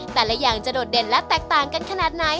แต่ละอย่างจะโดดเด่นและแตกต่างกันขนาดไหน